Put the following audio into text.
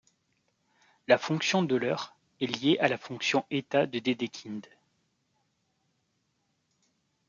La fonction d'Euler est liée à la fonction êta de Dedekind.